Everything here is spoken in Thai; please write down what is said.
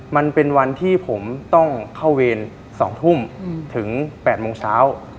มันเป็นวันที่ผมต้องเข้าเวร๒ทุ่มถึง๘โมงเช้า